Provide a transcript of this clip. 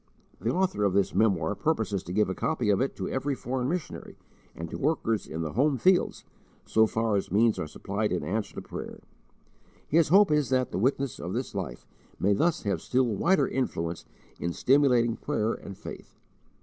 The author of this memoir purposes to give a copy of it to every foreign missionary, and to workers in the home fields, so far as means are supplied in answer to prayer. His hope is that the witness of this life may thus have still wider influence in stimulating prayer and faith.